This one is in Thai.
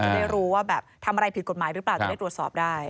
ได้รู้ว่าแบบทำอะไรผิดกฎหมายหรือเปล่าจะได้ตรวจสอบได้